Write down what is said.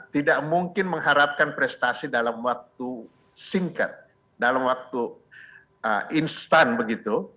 tidak mungkin mengharapkan prestasi dalam waktu singkat dalam waktu instan begitu